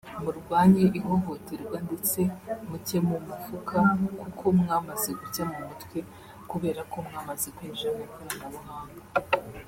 murwanye ihohoterwa ndetse mucye mu mufuka kuko mwamaze gucya mu mutwe kubera ko mwamaze kwinjira mu ikoranabuhanga